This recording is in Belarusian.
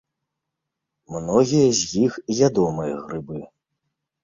Многія з іх ядомыя грыбы.